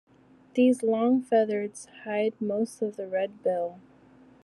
These long feathers hide most of the red bill.